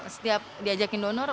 setiap diajakin donor